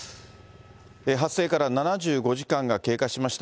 発生から７５時間が経過しました。